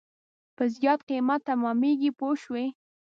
په زیات قیمت تمامېږي پوه شوې!.